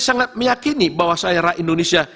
sangat meyakini bahwasannya rakyat indonesia